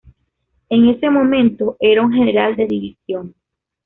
En ese momento era un general de división.